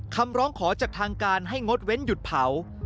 คำร้องขอจากทางการให้งดเว้นหยุดเผา